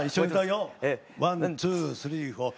ワンツースリーフォー。